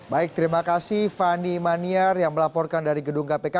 baik terima kasih fani maniar yang melaporkan dari gedung kpk